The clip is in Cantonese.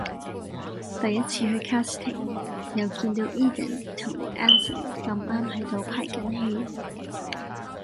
第一次去 casting 又見到 Edan 同 Anson 咁啱喺度排緊戲